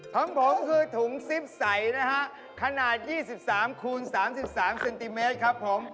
ของผมคือถุงซิปใสขนาด๒๓คูณ๓๓ครับผม